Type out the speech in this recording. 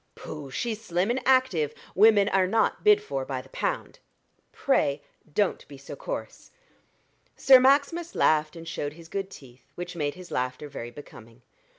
"Pooh! she's slim and active; women are not bid for by the pound." "Pray don't be so coarse." Sir Maximus laughed and showed his good teeth, which made his laughter very becoming.